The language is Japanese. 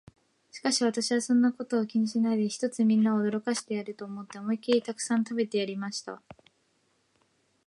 しかし私は、そんなことは気にしないで、ひとつみんなを驚かしてやれと思って、思いきりたくさん食べてやりました。